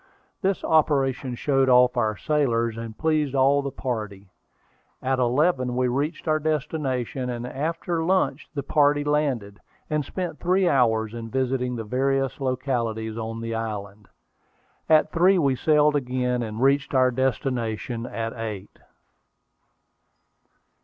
This operation showed off our sailors, and pleased all the party. At eleven we reached our destination; and after lunch the party landed, and spent three hours in visiting the various localities on the island. At three we sailed again, and reached our destination at eight.